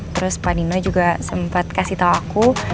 terus pak nino juga sempat kasih tahu aku